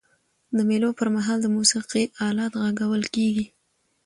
د مېلو پر مهال د موسیقۍ آلات ږغول کيږي.